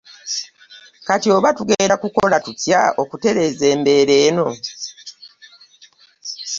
Kati oba tugenda kukola tutya okutereeza embeera eno?